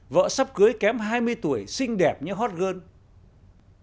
vợ sắp cưới kém hai mươi tuổi xinh đẹp như hot girl